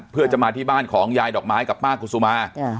เพื่อจะมาที่บ้านของยายดอกไม้กับป้ากุศุมา